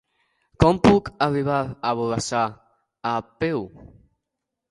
Com puc arribar a Borrassà a peu?